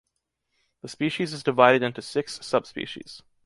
The species is divided into six subspecies.